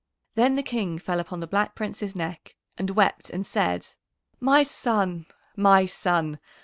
Then the King fell upon the Black Prince's neck and wept and said, "My son! my son!